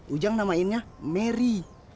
ujang namainnya merry